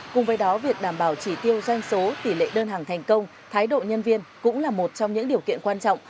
cùng với đó việc đảm bảo chỉ tiêu doanh số tỷ lệ đơn hàng thành công thái độ nhân viên cũng là một trong những điều kiện quan trọng